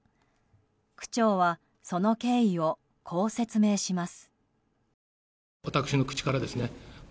区長はその経緯をこう説明します。